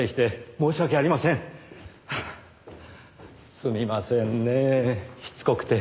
すみませんねしつこくて。